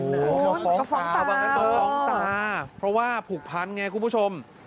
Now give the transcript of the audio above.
โอ้โฮฟ้องตาฟ้องตาเพราะว่าผูกพันธุ์ไงคุณผู้ชม